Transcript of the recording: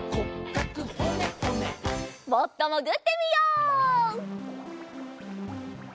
もっともぐってみよう。